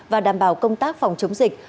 và đảm bảo công tác phòng chống dịch